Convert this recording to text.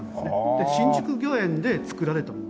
で新宿御苑で作られたものです。